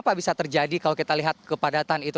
pak bisa terjadi kalau kita lihat kepadatan itu